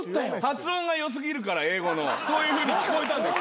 発音が良過ぎるから英語のそういうふうに聞こえたんです。